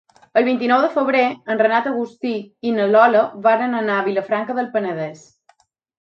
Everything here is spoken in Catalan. El vint-i-nou de febrer en Renat August i na Lola volen anar a Vilafranca del Penedès.